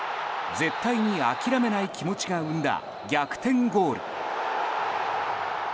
絶対に諦めない気持ちが生んだ逆転ゴール。